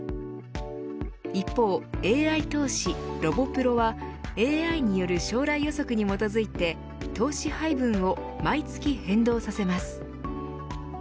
一方、ＡＩ投資ＲＯＢＯＰＲＯはＡＩによる将来予測に基づいて投資配分を毎月変動させます。